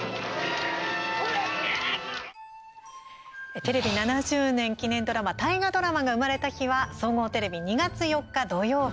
テレビ７０年記念ドラマ「大河ドラマが生まれた日」は総合テレビ２月４日土曜日。